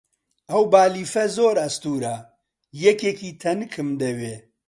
ئەو بالیفە زۆر ئەستوورە، یەکێکی تەنکم دەوێ.